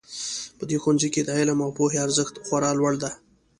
په دې ښوونځي کې د علم او پوهې ارزښت خورا لوړ ده